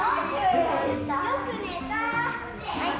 よく寝た！